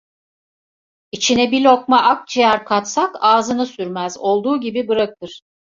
İçine bir lokma akciğer katsak ağzını sürmez, olduğu gibi bırakır.